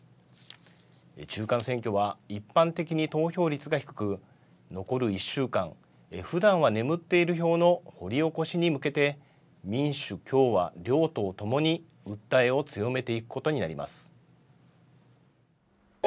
中間選挙は一般的に投票率が低く、残る１週間、ふだんは眠っている票の掘り起こしに向けて、民主、共和、両党ともに訴えを強めていくことになります。